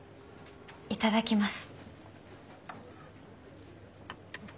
いただきます。